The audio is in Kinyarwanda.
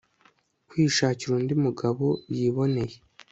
kwishakira undi mugabo yiboneye